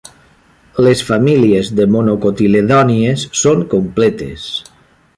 Les famílies de monocotiledònies són completes.